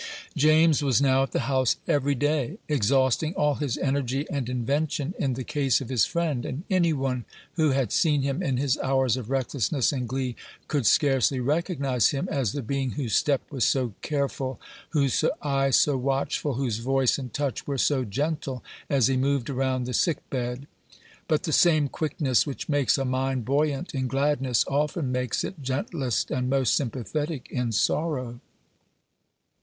James was now at the house every day, exhausting all his energy and invention in the case of his friend; and any one who had seen him in his hours of recklessness and glee, could scarcely recognize him as the being whose step was so careful, whose eye so watchful, whose voice and touch were so gentle, as he moved around the sick bed. But the same quickness which makes a mind buoyant in gladness, often makes it gentlest and most sympathetic in sorrow.